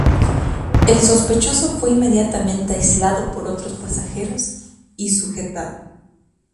El sospechoso fue inmediatamente aislado por otros pasajeros, y sujetado.